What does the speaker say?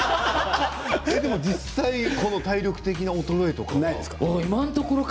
でも実際、体力的な衰えはないですか？